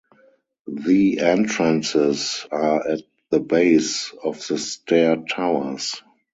The entrances are at the base of the stair towers.